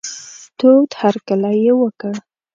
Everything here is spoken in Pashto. تود هرکلی یې وکړ.